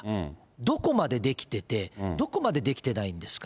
どこまでできてて、どこまでできてないんですか。